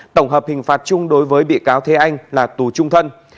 tổng hợp hình phạt chung đối với bị cáo thế anh là tù trung thân